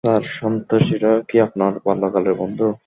Sir, সন্ত্রাসীরা কি আপনার বাল্যকালের বন্ধু?